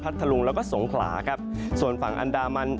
ทะลุงแล้วก็สงขลาครับส่วนฝั่งอันดามัน